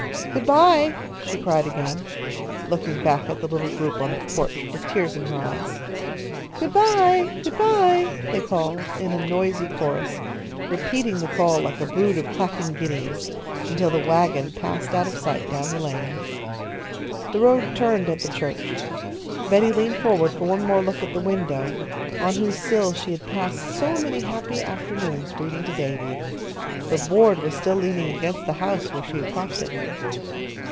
"Good bye!" she cried again, looking back at the little group on the porch with tears in her eyes. "Good bye! Good bye!" they called, in a noisy chorus, repeating the call like a brood of clacking guineas, until the wagon passed out of sight down the lane. The road turned at the church. Betty leaned forward for one more look at the window, on whose sill she had passed so many happy afternoons reading to Davy. The board was still leaning against the house, where she had propped it.